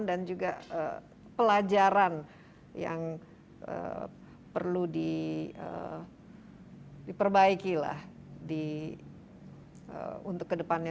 dan juga pelajaran yang perlu diperbaiki untuk ke depannya